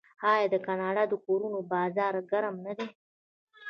آیا د کاناډا د کورونو بازار ګرم نه دی؟